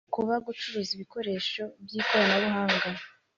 Kuba gucuruza ibikoresho by ikoranabuhanga